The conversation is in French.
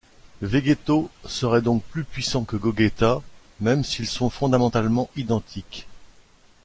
Vegetto serait donc plus puissant que Gogéta, même s'ils sont fondamentalement identiques.